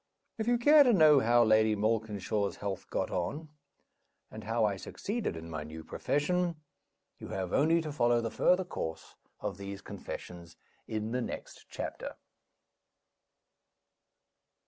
If you care to know how Lady Malkinshaw's health got on, and how I succeeded in my new profession, you have only to follow the further course of these confessions, in the next chapter.